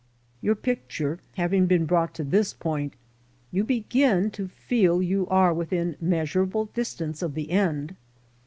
Your picture having been brought to this point, you begin to feel you are within measurable distance of the end.